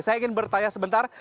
saya ingin bertanya sebentar